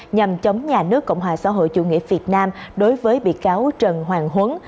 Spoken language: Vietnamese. nhằm chống nhà nước cộng hòa xã hội chủ nghĩa việt nam đối với bị cáo trần hoàng huấn